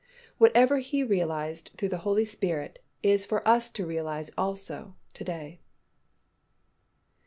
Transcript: Whatever He realized through the Holy Spirit is for us to realize also to day.